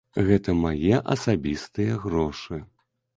Гэта мае асабістыя грошы.